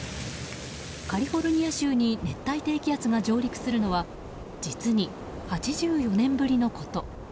カリフォルニア州に熱帯低気圧が上陸するのは実に８４年ぶりのこと。